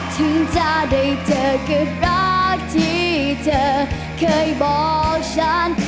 ถึงจะได้เจอกับรักที่เธอเคยบอกฉัน